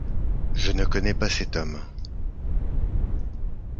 Je ne connais pas cet homme.